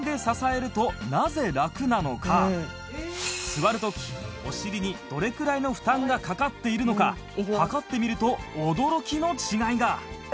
座る時お尻にどれくらいの負担がかかっているのか測ってみると驚きの違いが